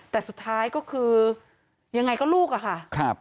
แต่สุดท้ายก็คือยังไงก็ลูกอะค่ะ